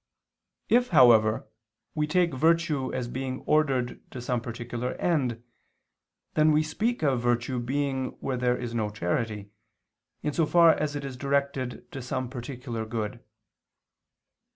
If, however, we take virtue as being ordered to some particular end, then we speak of virtue being where there is no charity, in so far as it is directed to some particular good.